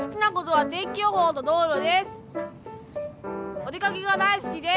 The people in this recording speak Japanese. お出かけが大好きです。